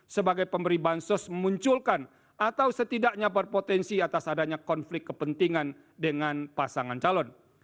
sebagai pemberi bansos memunculkan atau setidaknya berpotensi atas adanya konflik kepentingan dengan pasangan calon